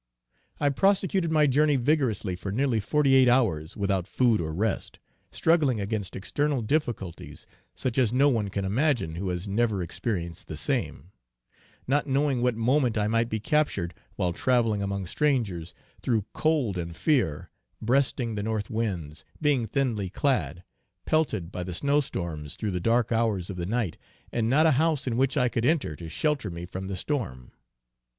I prosecuted my journey vigorously for nearly forty eight hours without food or rest, struggling against external difficulties such as no one can imagine who has never experienced the same: not knowing what moment I might be captured while travelling among strangers, through cold and fear, breasting the north winds, being thinly clad, pelted by the snow storms through the dark hours of the night and not a house in which I could enter to shelter me from the storm.